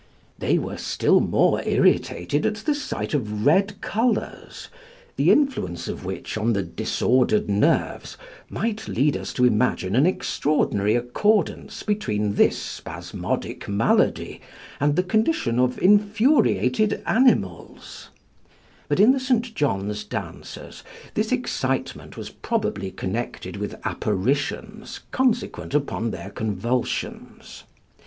They were still more irritated at the sight of red colours, the influence of which on the disordered nerves might lead us to imagine an extraordinary accordance between this spasmodic malady and the condition of infuriated animals; but in the St. John's dancers this excitement was probably connected with apparitions consequent upon their convulsions.